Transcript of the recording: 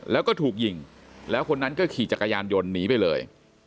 แล้วก็ถูกยิงแล้วคนนั้นก็ขี่จักรยานยนต์หนีไปเลย